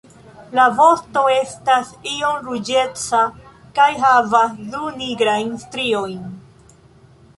La vosto estas iom ruĝeca kaj havas du nigrajn striojn.